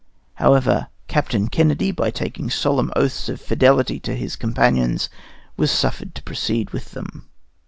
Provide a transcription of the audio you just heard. However, Captain Kennedy, by taking solemn oaths of fidelity to his companions, was suffered to proceed with them.